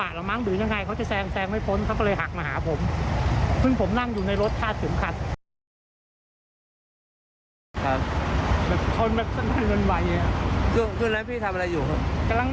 อะได้ยินเสียงได้ยินอะไรมั้ง